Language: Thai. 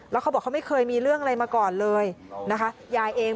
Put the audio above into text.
แล้วเขาบอกเขาไม่เคยมีเรื่องอะไรมาก่อนเลยนะคะยายเอง